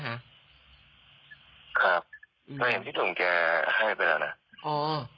ครับก็เห็นพี่หนุ่มแกให้ไปแล้วนะอ๋อ